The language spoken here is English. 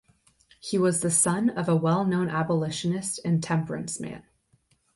He was the son of a well known abolitionist and temperance man.